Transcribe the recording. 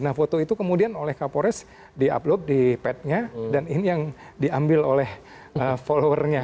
nah foto itu kemudian oleh kapolres di upload di pad nya dan ini yang diambil oleh followernya